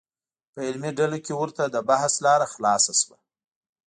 په علمي ډلو کې ورته د بحث لاره خلاصه شوه.